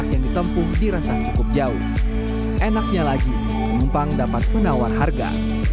yang ditempuh dirasa cukup jauh enaknya lagi penumpang dapat menawar harga